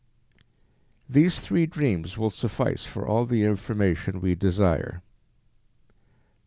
These three dreams will suffice for all the information we desire. 2.